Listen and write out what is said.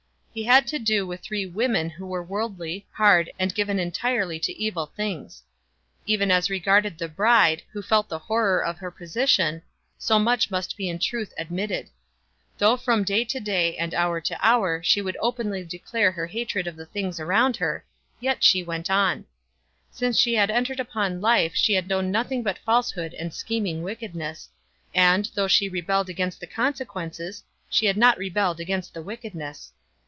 He had to do with three women who were worldly, hard, and given entirely to evil things. Even as regarded the bride, who felt the horror of her position, so much must be in truth admitted. Though from day to day and hour to hour she would openly declare her hatred of the things around her, yet she went on. Since she had entered upon life she had known nothing but falsehood and scheming wickedness; and, though she rebelled against the consequences, she had not rebelled against the wickedness.